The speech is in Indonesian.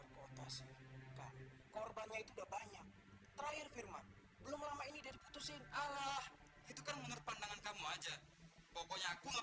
korbannya itu banyak terakhir firman belum lama ini